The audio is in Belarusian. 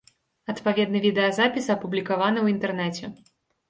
Адпаведны відэазапіс апублікаваны ў інтэрнэце.